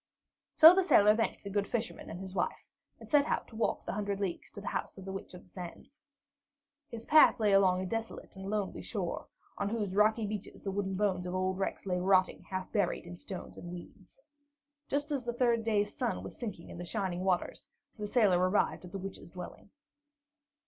So the sailor thanked the good fisherman and his wife, and set out to walk the hundred leagues to the house of the Witch of the Sands. His path lay along a desolate and lonely shore, on whose rocky beaches the wooden bones of old wrecks lay rotting, half buried in stones and weed. Just as the third day's sun was sinking in the shining waters, the sailor arrived at the Witch's dwelling.